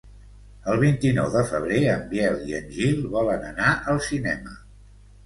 El vint-i-nou de febrer en Biel i en Gil volen anar al cinema.